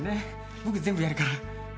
僕全部やるから。